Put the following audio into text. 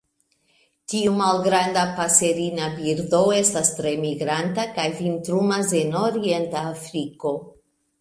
Tiu malgranda paserina birdo estas tre migranta kaj vintrumas en orienta Afriko.